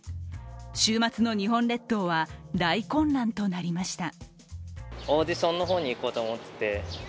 週末の日本列島は大混乱となりました。